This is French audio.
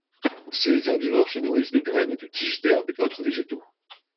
Ces herbivores se nourrissent de graines et de tiges d'herbes et autres végétaux.